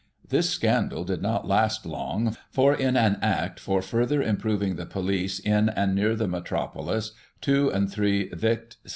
This sccindal did not last long, for in "an Act for further improving the Police in and near the Metropolis," 2 and 3 Vict.